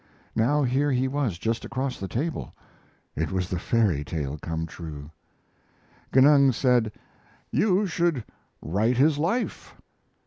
Now here he was, just across the table. It was the fairy tale come true. Genung said: "You should write his life."